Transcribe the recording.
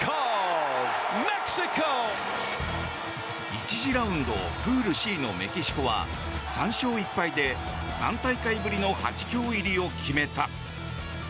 １次ラウンドプールＣのメキシコは３勝１敗で、３大会ぶりの８強入りを決めた。